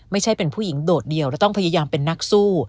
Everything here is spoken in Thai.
ไม่ใช่เป็นผู้หญิงโดดเดียวและต้องพยายามเป็นนักสู้